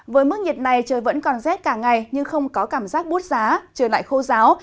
với mức nhiệt này trời vẫn còn rét cả ngày nhưng không có cảm giác bút giá trời lại khô giáo